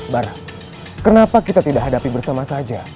bar kenapa kita tidak hadapi bersama saja